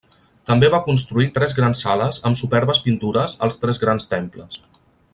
També va construir tres grans sales amb superbes pintures als tres grans temples.